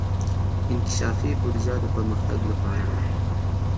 انکشافي بودجه د پرمختګ لپاره ده